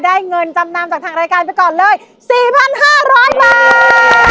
ได้เงินจำนำจากทางรายการไปก่อนเลยสี่พันห้าร้อยบาท